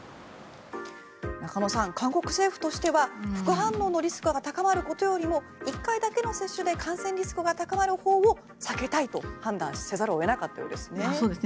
中野さん、韓国政府としては副反応のリスクが高まるほうよりも１回だけの接種で感染リスクが高まるほうを避けたいと判断せざるを得なかったようですね。